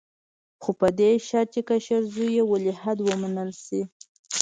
خو په دې شرط چې کشر زوی یې ولیعهد ومنل شي.